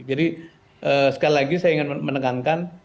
jadi sekali lagi saya ingin menekankan